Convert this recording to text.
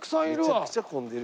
めちゃくちゃ混んでるやん。